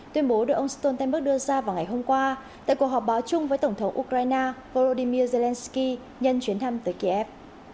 tuyên bố được ông stoltenberg đưa ra vào ngày hôm qua tại cuộc họp báo chung với tổng thống ukraine volodymyr zelensky nhân chuyến thăm tới kiev